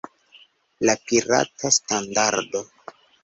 La pirata standardo!